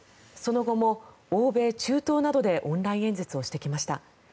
その後も欧米、中東などでオンライン演説をしてきました。